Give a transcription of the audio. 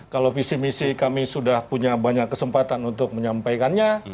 kalau visi misi kami sudah punya banyak kesempatan untuk menyampaikannya